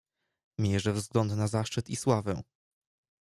"Miejże wzgląd na zaszczyt i sławę!"